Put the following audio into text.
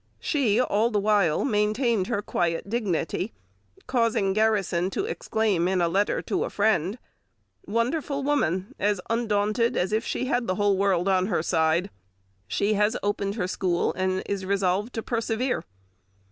She all the while maintained her quiet dignity, causing Garrison to exclaim in a letter to a friend, "Wonderful woman! as undaunted as if she had the whole world on her side! She has opened her school and is resolved to persevere."